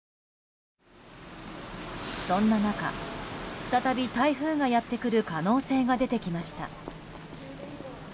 そんな中、再び台風がやってくる可能性が出てきました。